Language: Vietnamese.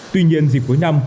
tuy nhiên dịp cuối năm